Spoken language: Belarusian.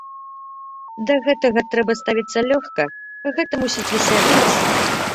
Да гэтага трэба ставіцца лёгка, гэта мусіць весяліць.